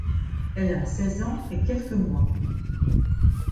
Elle a seize ans et quelques mois !